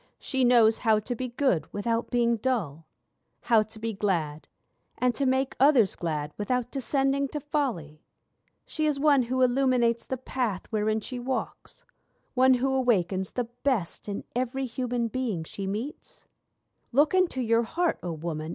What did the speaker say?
She knows how to be good without being dull; How to be glad and to make others glad without descending to folly; She is one who illuminates the path wherein she walks; One who awakens the best in every human being she meets'? Look into your heart, O Woman!